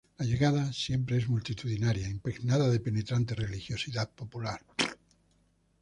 La llegada siempre es multitudinaria, impregnada de penetrante religiosidad popular.